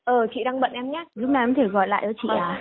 ờ chị đang bận em nhé lúc nào em có thể gọi lại cho chị à